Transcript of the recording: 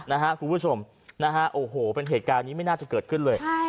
คุณผู้ชมนะฮะโอ้โหเป็นเหตุการณ์นี้ไม่น่าจะเกิดขึ้นเลย